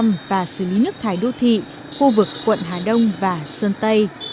hệ thống thu gom và xử lý nước thải đô thị khu vực quận hà đông và sơn tây